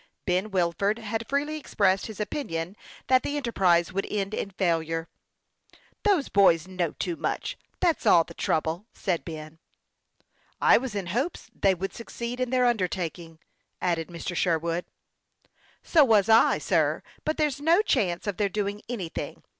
Ben Wilford had freely expressed his opinion that the enterprise would end in failure. " Those boys know too much ; that's all the trou ble'," said Ben. " I was in hopes they would succeed in their undertaking," added Mr. Sherwood. 136 HASTE AXD WASTE, OR " So was I, sir ; but there's no chance of their doing anything.